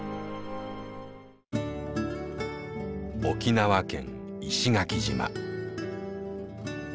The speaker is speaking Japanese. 沖縄県石垣島。